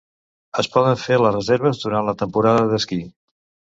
Es poden fer les reserves durant la temporada d'esquí.